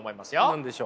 何でしょう？